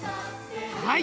はい。